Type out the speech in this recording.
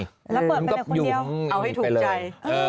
แล้วเปิดไปแต่คนเดียวเอาให้ถูกใจ